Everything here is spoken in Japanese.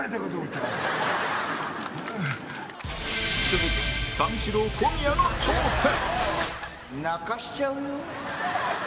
続いて三四郎小宮の挑戦